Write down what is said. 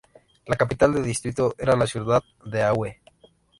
La capital del distrito era la ciudad de Aue.